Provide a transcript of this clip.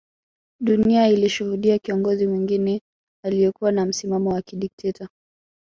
Dunia ilishuhudia kiongozi mwingine aliyekuwa na msimamo wa kidekteta